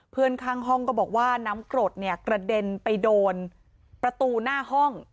เพื่อนข้างห้องก็บอกว่าน้ำกรดเนี่ยกระเด็นไปโดนประตูหน้าห้อง